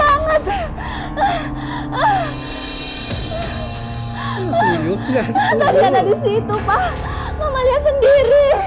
aku tidak ada di situ pak mama lihat sendiri